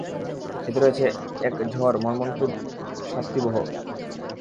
এতে রয়েছে এক ঝড়— মর্মন্তুদ শাস্তিবহ।